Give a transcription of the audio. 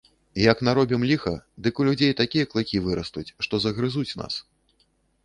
Як наробім ліха, дык у людзей такія клыкі вырастуць, што загрызуць нас.